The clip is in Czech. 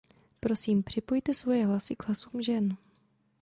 Prosím, připojte svoje hlasy k hlasům žen.